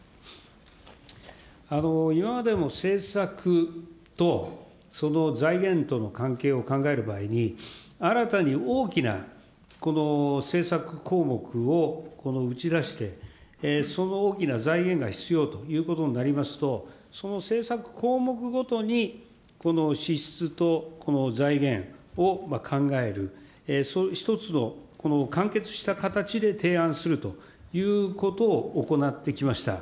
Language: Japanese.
今までの政策とその財源との関係を考える場合に、新たに大きな政策項目を打ち出して、その大きな財源が必要ということになりますと、その政策項目ごとに支出と財源を考える、一つの完結した形で提案するということを行ってきました。